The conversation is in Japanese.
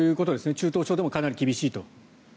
中等症でもかなり厳しいと。